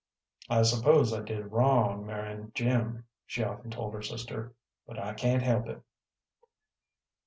"I suppose I did wrong marrying Jim," she often told her sister, "but I can't help it."